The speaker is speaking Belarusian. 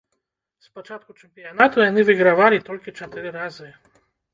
З пачатку чэмпіянату яны выйгравалі толькі чатыры разы.